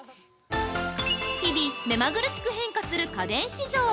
◆日々めまぐるしく変化する家電市場。